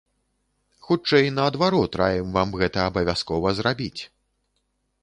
Хутчэй наадварот, раім вам гэта абавязкова зрабіць.